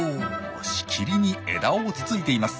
しきりに枝をつついています。